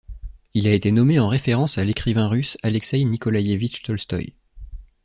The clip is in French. Il a été nommé en référence à l'écrivain russe Alexeï Nicolaïevitch Tolstoï.